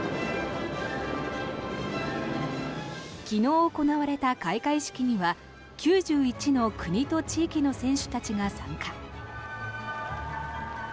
昨日行われた開会式には９１の国と地域の選手たちが参加。